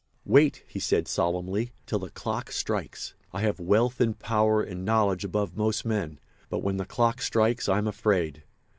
"Wait," he said solemnly, "till the clock strikes. I have wealth and power and knowledge above most men, but when the clock strikes I am afraid.